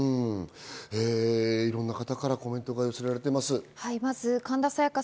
いろんな方からコメントが寄せられています。